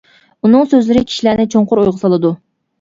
ئۇنىڭ سۆزلىرى كىشىلەرنى چوڭقۇر ئويغا سالىدۇ.